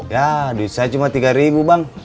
ya saya cuma tiga ribu bang